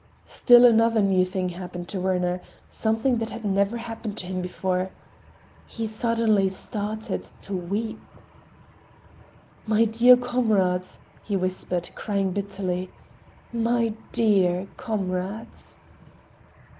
Still another new thing happened to Werner,—something that had never happened to him before: he suddenly started to weep. "My dear comrades!" he whispered, crying bitterly. "My dear comrades!"